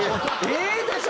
ええでしょ